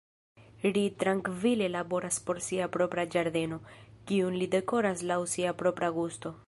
Ri trankvile laboras por sia propra ĝardeno, kiun li dekoras laŭ sia propra gusto.